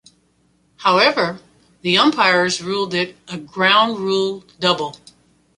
However, the umpires ruled it a ground-rule double.